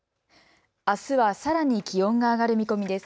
あすはさらに気温が上がる見込みです。